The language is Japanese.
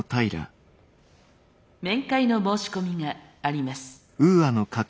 面会の申し込みがあります。